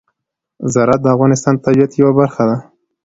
زراعت د افغانستان د طبیعت یوه برخه ده.